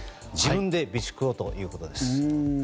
自分で備蓄をということです。